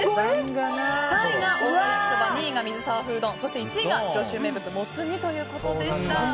３位が太田やきそば２位が水沢風うどんそして１位が上州名物もつ煮ということでした。